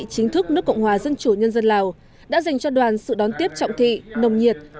chính thức nước cộng hòa dân chủ nhân dân lào đã dành cho đoàn sự đón tiếp trọng thị nồng nhiệt